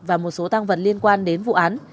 và một số tăng vật liên quan đến vụ án